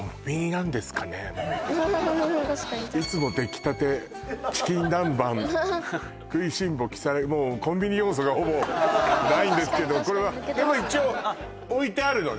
確かに確かに「いつもできたて」「チキンナンバン」「くいしんぼ如月」もうコンビニ要素がほぼないんですけどこれはでも一応置いてあるのね